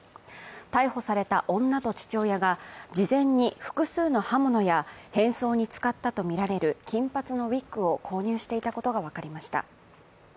逮捕された女と父親が事前に複数の刃物や変装に使ったとみられる金髪のウイッグを購入していたことが分かりました。